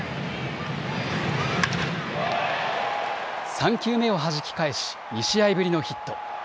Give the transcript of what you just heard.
３球目をはじき返し２試合ぶりのヒット。